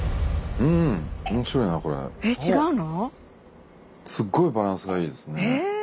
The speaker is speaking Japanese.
えっ違うの？